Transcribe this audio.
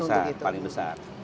anggarannya paling besar